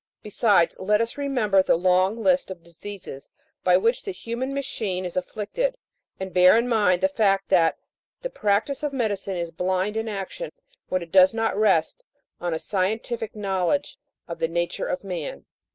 Besides, let us remember the long list of diseases by which the human machine is afflicted, and bear in mind the fact that the practice of medicine is blind in action when it does not rest on a scientific knowledge of the nature of man.